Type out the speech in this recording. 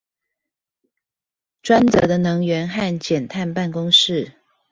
專責的能源和減碳辦公室